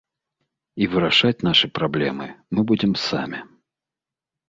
І вырашаць нашы праблемы мы будзем самі.